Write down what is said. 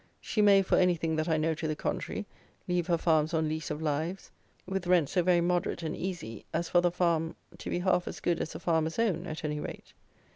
She may, for anything that I know to the contrary, leave her farms on lease of lives, with rent so very moderate and easy, as for the farm to be half as good as the farmer's own, at any rate.